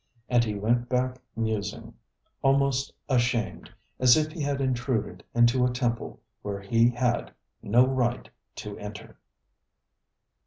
And he went back musing, almost ashamed, as if he had intruded into a temple where he had, no right to enter.